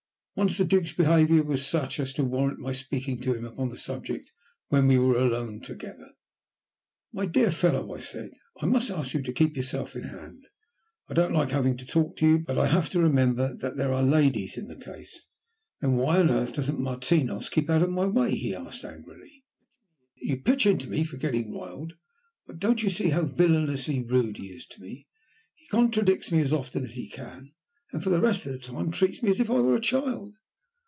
Once the Duke's behaviour was such as to warrant my speaking to him upon the subject when we were alone together. "My dear fellow," I said, "I must ask you to keep yourself in hand. I don't like having to talk to you, but I have to remember that there are ladies in the case." "Then why on earth doesn't Martinos keep out of my way?" he asked angrily. "You pitch into me for getting riled, but you don't see how villainously rude he is to me. He contradicts me as often as he can, and, for the rest of the time, treats me as if I were a child."